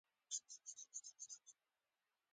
ډونران د انجوګانو په اقتصادي چارو اغیز لرلای شي.